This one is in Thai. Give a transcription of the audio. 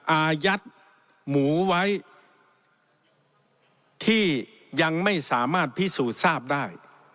อายัดหมูไว้ที่ยังไม่สามารถพิสูจน์ทราบได้